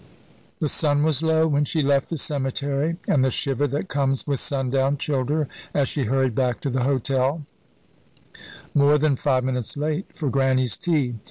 The sun was low when she left the cemetery, and the shiver that comes with sundown chilled her as she hurried back to the hotel, more than five minutes late for Grannie's tea.